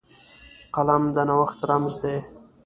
قلم د نوښت رمز دی